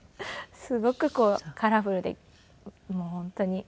すごくこうカラフルでもう本当に。